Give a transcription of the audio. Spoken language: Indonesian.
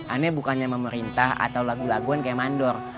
aneh bukannya memerintah atau lagu laguan kayak mandor